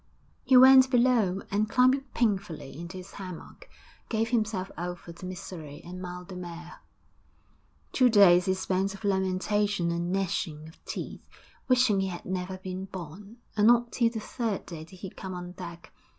He went below, and, climbing painfully into his hammock, gave himself over to misery and mal de mer. Two days he spent of lamentation and gnashing of teeth, wishing he had never been born, and not till the third day did he come on deck.